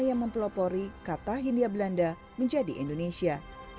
yang mempelopori kata hindia belanda menjadi indonesia